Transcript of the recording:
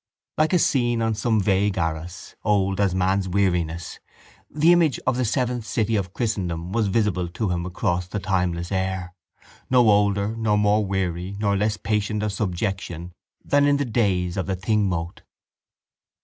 Like a scene on some vague arras, old as man's weariness, the image of the seventh city of christendom was visible to him across the timeless air, no older nor more weary nor less patient of subjection than in the days of the thingmote.